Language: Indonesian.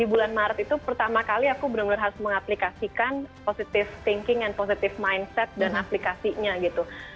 di bulan maret itu pertama kali aku benar benar harus mengaplikasikan positive thinking and positive mindset dan aplikasinya gitu